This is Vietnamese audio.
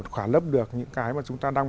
khỏa lấp được những cái mà chúng ta đang